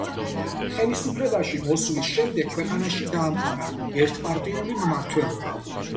ხელისუფლებაში მოსვლის შემდეგ ქვეყანაში დაამყარა ერთპარტიული მმართველობა.